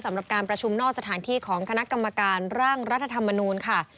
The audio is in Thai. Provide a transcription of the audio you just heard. สำหรับการประชุมนอกสถานที่ของคณะกรรมการร่างรัฐธรรมนูลค่ะ